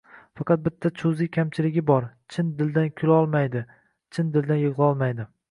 Faqat bitta “juz’iy” kamchiligi bor: chin dildan kulolmaydi, chin dildan yig’lolmaydi...